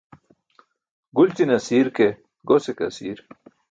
Gulćine asiir ke gose ke asiir.